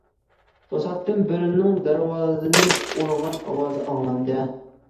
توساتتىن بىرىنىڭ دەرۋازىنى ئۇرغان ئاۋاز ئاڭلاندى.